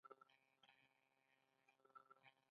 تیږې کیسې کوي.